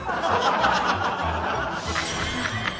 ハハハハ！